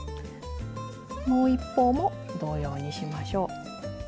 もう一方も同様にしましょう。